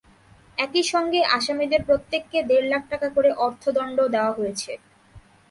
একই সঙ্গে আসামিদের প্রত্যেককে দেড় লাখ টাকা করে অর্থদণ্ড দেওয়া হয়েছে।